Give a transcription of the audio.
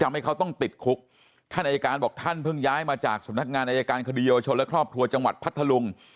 ทำให้เขาต้องติดคุกท่านอายการบอกท่านเพิ่งย้ายมาจากสำนักงานอายการคดีเยาวชนและครอบครัวจังหวัดพัทธลุง